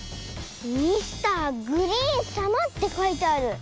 「ミスターグリーンさま」ってかいてある！